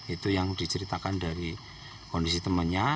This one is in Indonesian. itu yang diceritakan dari kondisi temannya